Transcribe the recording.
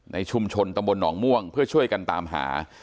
ในชุมชนตำบลหนองม่วงเพื่อช่วยกันตามหา